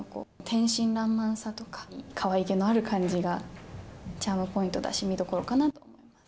天真らんまんさとか、かわいげのある感じがチャームポイントだし、見どころかな。